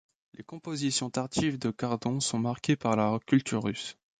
Les compositions tardives de Cardon sont marquées par la culture russe.